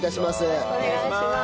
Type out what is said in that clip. よろしくお願いします。